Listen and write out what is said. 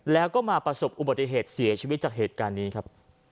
แล้วก็มาประสบอุบัติเหตุเสียชีวิตจากเหตุการณ์นี้ครับ